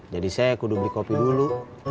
jadi saya kudu beli kopi dulu